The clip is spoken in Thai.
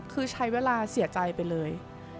คือใช้เวลาเสียใจไปเลย